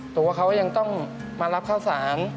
ตัวเขายังต้องมารับข้าวสาร